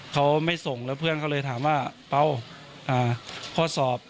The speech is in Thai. เขาไม่ส่งแล้วเพื่อนก็เลยถามว่าเปล่าข้อสอบ